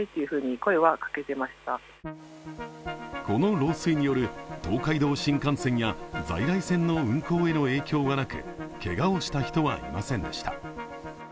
この漏水による東海道新幹線や在来線の運行への影響はなくけがをした人はいませんでした。